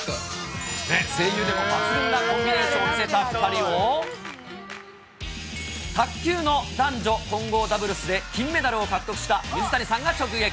声優でも抜群なコンビネーションを見せた２人を、卓球の男女混合ダブルスで金メダルを獲得した水谷さんが直撃。